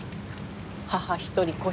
母一人子